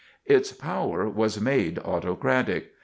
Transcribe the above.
Its power was made autocratic.